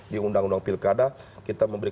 di undang undang pilkada kita memberi